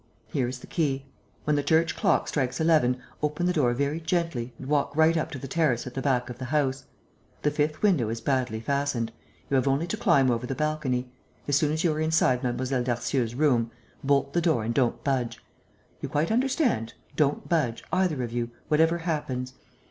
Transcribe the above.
Here is the key. When the church clock strikes eleven, open the door very gently and walk right up to the terrace at the back of the house. The fifth window is badly fastened. You have only to climb over the balcony. As soon as you are inside Mlle. Darcieux's room, bolt the door and don't budge. You quite understand, don't budge, either of you, whatever happens.